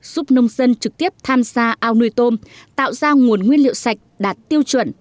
giúp nông dân trực tiếp tham gia ao nuôi tôm tạo ra nguồn nguyên liệu sạch đạt tiêu chuẩn